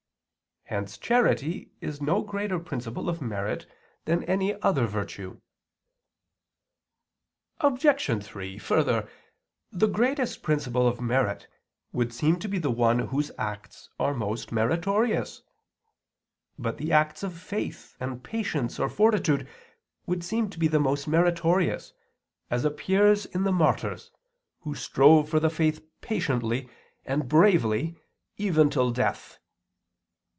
Hence charity is no greater principle of merit than any other virtue. Obj. 3: Further, the greatest principle of merit would seem to be the one whose acts are most meritorious. But the acts of faith and patience or fortitude would seem to be the most meritorious, as appears in the martyrs, who strove for the faith patiently and bravely even till death.